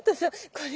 これ？